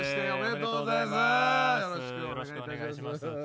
よろしくお願いします。